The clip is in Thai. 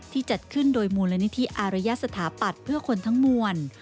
จัดขึ้นโดยมูลนิธิอารยสถาปัตย์เพื่อคนทั้งมวล